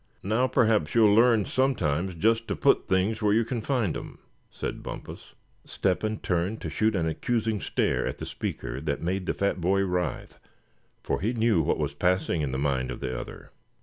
Now perhaps you'll learn sometimes just to put things where you c'n find 'em," said Bumpus. Step hen turned to shoot an accusing stare at the speaker that made the fat boy writhe, for he knew what was passing in the mind of the other.